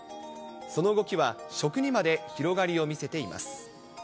その動きは、食にまで広がりを見せています。